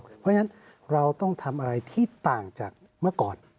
เพราะฉะนั้นเราต้องทำอะไรที่ต่างจากเมื่อก่อน